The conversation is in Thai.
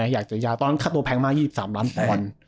ตอนนั้นค่าตัวแพงมาก๒๓ล้านบอล